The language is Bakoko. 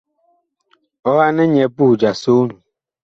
Ɔhanɛ nyɛ puh ja soon.